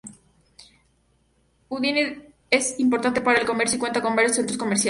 Udine es importante para el comercio y cuenta con varios centros comerciales.